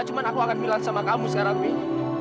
cuman aku akan bilang sama kamu sekarang wih